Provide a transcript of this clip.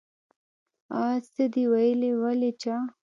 آ څه دې وويلې ولې چا.